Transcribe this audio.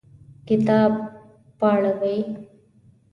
کتاب واوړوئ